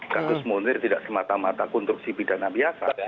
kasus munir tidak semata mata konstruksi pidana biasa